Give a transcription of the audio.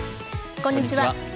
こんにちは。